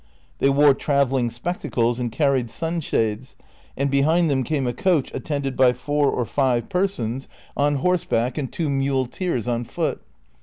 They wore travelling spectacles and carried sunshades ; and behind them came a coach attended by four or five persons on Vol. I. — 4 50 DON QUIXOTE. liorsebaek and two muleteers on foot.